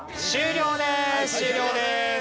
終了です。